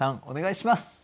お願いします。